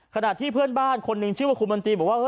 ขณะที่เพื่อนบ้านคนหนึ่งชื่อว่าคุณมนตรีบอกว่า